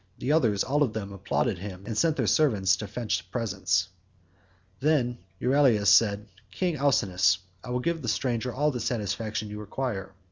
The others all of them applauded his saying, and sent their servants to fetch the presents. Then Euryalus said, "King Alcinous, I will give the stranger all the satisfaction you require.